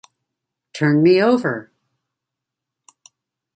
Turn me over!